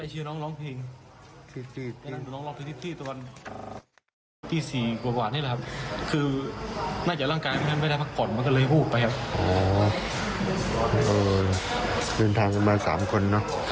อ๋อหยุดทางมา๓คนน้อ